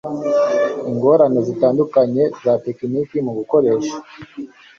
Ingorane zitandukanye za tekiniki mugukoresha